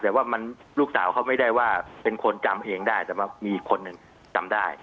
แต่ว่ามันลูกสาวเขาไม่ได้ว่าเป็นคนจำเองได้แต่ว่ามีอีกคนหนึ่งจำได้